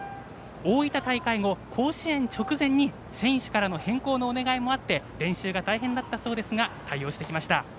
大分大会後、甲子園直前に選手からの変更のお願いもあって練習が大変だったそうですが対応してきました。